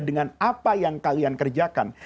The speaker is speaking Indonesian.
dengan apa yang kalian kerjakan